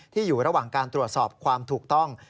อยู่ระหว่างการตรวจสอบความถูกต้อง